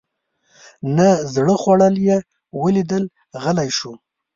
نه زړه خوړل یې ولیدل غلی شو.